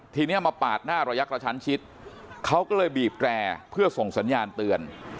ทีนี้มาปาดหน้าระยะกระชั้นชิดเขาก็เลยบีบแตรเพื่อส่งสัญญาณเตือน